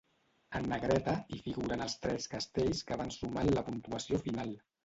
En negreta, hi figuren els tres castells que van sumar en la puntuació final.